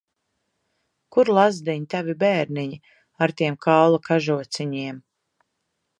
Kur, lazdiņ, tavi bērniņi, ar tiem kaula kažociņiem?